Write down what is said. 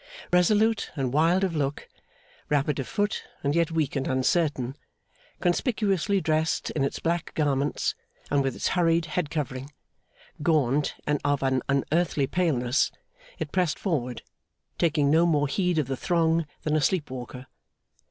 Resolute and wild of look, rapid of foot and yet weak and uncertain, conspicuously dressed in its black garments and with its hurried head covering, gaunt and of an unearthly paleness, it pressed forward, taking no more heed of the throng than a sleep walker.